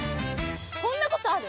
こんなことある？